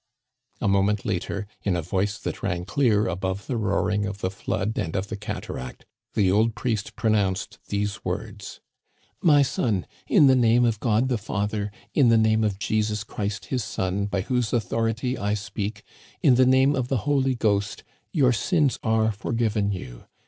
A moment later, in a voice that rang clear above the roaring of the flood and of the cataract, the old priest pronounced these words :" My son, in the name of God the Father, in the name of Jesus Christ, his Son, by whose authority I speak, in the Digitized by VjOOQIC THE BREAKING UP OF THE ICE. 67 name of the Holy Ghost, your sins are forgiven you.